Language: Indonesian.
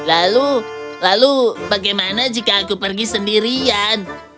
lalu lalu bagaimana jika aku pergi sendirian